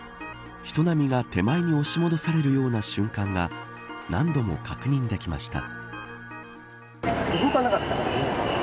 人波が手前に押し戻されるような瞬間が何度も確認できました。